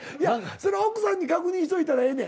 それ奥さんに確認しといたらええねん。